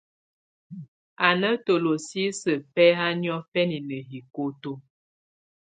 Á nà tolosisǝ́ bɛ̀haà niɔ̀fɛna nà hikoto.